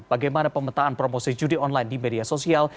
bagaimana pemetaan promosi judi online di media sosial